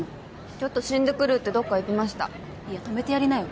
「ちょっと死んでくる」ってどっか行きましたいや止めてやりなよ